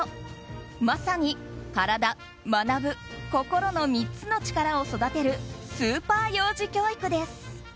まさに、体・学・心の３つの力を育てるスーパー幼児教育です。